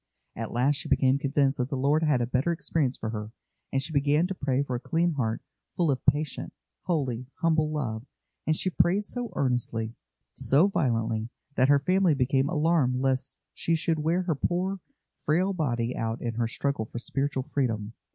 At last she became convinced that the Lord had a better experience for her, and she began to pray for a clean heart full of patient, holy, humble love; and she prayed so earnestly, so violently, that her family became alarmed lest she should wear her poor, frail body out in her struggle for spiritual freedom.